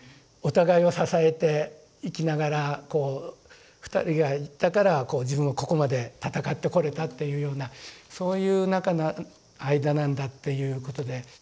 お互いを支えていきながらこう２人がいたからこう自分もここまで戦ってこれたっていうようなそういう間なんだっていうことで。